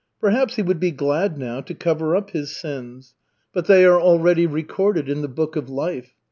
Perhaps he would be glad now to cover up his sins. But they are already recorded in the Book of Life.